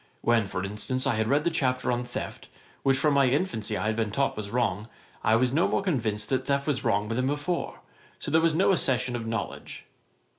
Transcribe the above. When, for instance, I had read the chapter on theft, which from my infancy I had been taught was wrong, I was no more convinced that theft was wrong than before; so there was no accession of knowledge.